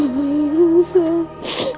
biar aku mahukanmu sayang